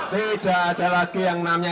tidak ada lagi yang namanya